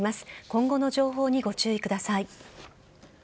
今後の情報にご注意ください。